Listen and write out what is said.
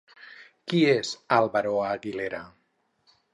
Qui és Álvaro Aguilera?